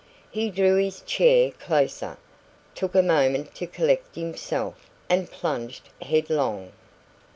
He drew his chair closer, took a moment to collect himself, and plunged headlong.